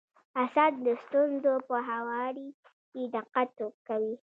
اسد د ستونزو په هواري کي دقت کوي.